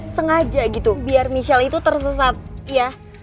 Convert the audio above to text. sengaja gitu biar michelle itu tersesat ya